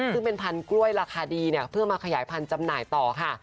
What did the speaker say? ซึ่งเป็นพันธุ์กล้วยราคาดีเนี่ยเพื่อมาขยายพันธุ์จำหน่ายต่อค่ะ